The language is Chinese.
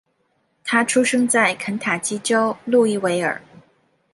他出生在肯塔基州路易维尔。